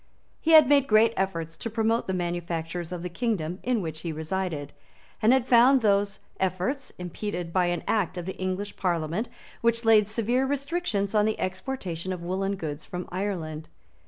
He had made great efforts to promote the manufactures of the kingdom in which he resided; and he had found those efforts impeded by an Act of the English Parliament which laid severe restrictions on the exportation of woollen goods from Ireland.